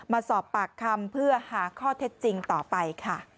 มาสอบปากคำเพื่อหาข้อเท็จจริงต่อไปค่ะ